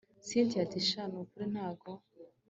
cyntia ati sha nukuri ntago